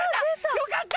よかった！